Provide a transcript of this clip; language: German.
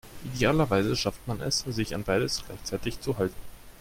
Idealerweise schafft man es, sich an beides gleichzeitig zu halten.